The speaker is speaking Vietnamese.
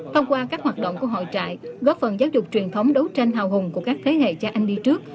thông qua các hoạt động của hội trại góp phần giáo dục truyền thống đấu tranh hào hùng của các thế hệ cha anh đi trước